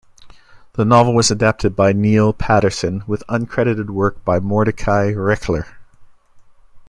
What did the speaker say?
The novel was adapted by Neil Paterson with uncredited work by Mordecai Richler.